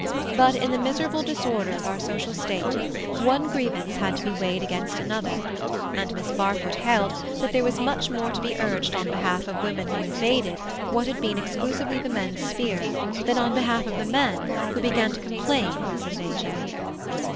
But, in the miserable disorder of our social state, one grievance had to be weighed against another, and Miss Barfoot held that there was much more to be urged on behalf of women who invaded what had been exclusively the men's sphere, than on behalf of the men who began to complain of this invasion.